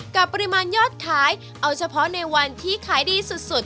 กับปริมาณยอดขายเอาเฉพาะในวันที่ขายดีสุด